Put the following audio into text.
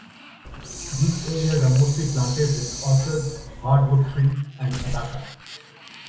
These areas are mostly planted with orchards, hard wood trees and abaca.